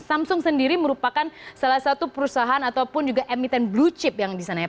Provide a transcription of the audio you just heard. samsung sendiri merupakan salah satu perusahaan ataupun juga emiten blue chip yang di sana ya